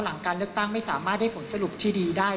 หลังการเลือกตั้งไม่สามารถได้ผลสรุปที่ดีได้